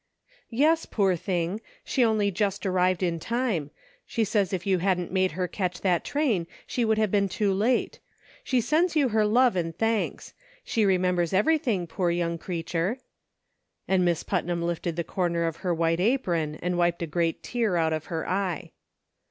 " Yes, poor thing ; she only just arrived in time ; she says if you hadn't made her catch that train she would have been too late ; she sends you her love and thanks ; she remembers everything, poor young creature," and Miss Putnam lifted the cor ner of her white apron and wiped a great tear out of her eye.